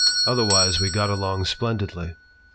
Otherwise we got along splendidly.